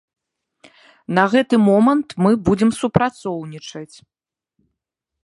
На гэты момант мы будзем супрацоўнічаць.